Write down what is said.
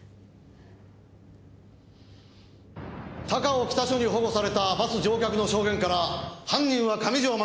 高尾北署に保護されたバス乗客の証言から犯人は上条学。